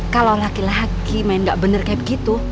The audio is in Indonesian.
kalau laki laki main gak bener kayak begitu